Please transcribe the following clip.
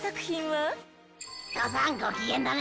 父さんご機嫌だね。